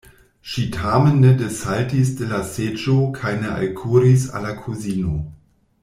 Ŝi tamen ne desaltis de la seĝo kaj ne alkuris al la kuzino.